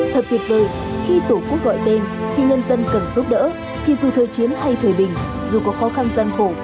thật tuyệt vời khi tổ quốc gọi tên khi nhân dân cần giúp đỡ thì dù thời chiến hay thời bình dù có khó khăn gian khổ